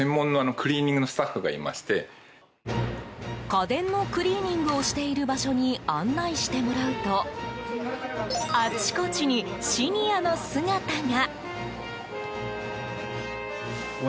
家電のクリーニングをしている場所に案内してもらうとあちこちにシニアの姿が。